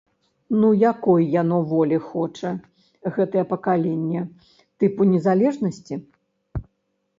Ну якой яно волі хоча, гэтае пакаленне, тыпу незалежнасці?